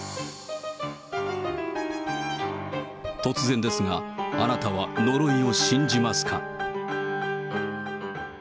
突然ですが、あなたは呪いを信じますか？